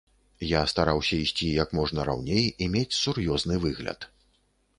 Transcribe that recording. Я стараўся ісці як можна раўней і мець сур'ёзны выгляд.